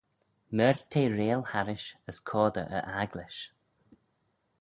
Myr t'eh reill harrish as coadey e agglish.